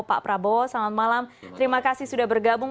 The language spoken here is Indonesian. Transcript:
pak prabowo selamat malam terima kasih sudah bergabung